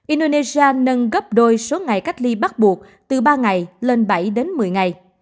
indonesia nâng gấp đôi số ngày cách ly bắt buộc từ ba ngày lên bảy đến một mươi ngày